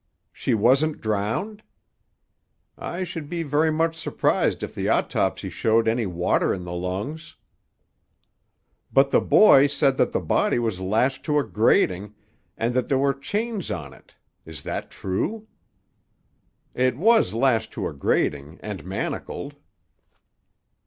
"She wasn't drowned?" "I should be very much surprised if the autopsy showed any water in the lungs." "But the boy said that the body was lashed to a grating, and that there were chains on it. Is that true?" "It was lashed to a grating, and manacled."